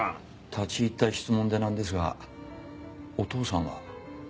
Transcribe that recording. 立ち入った質問でなんですがお父さんは？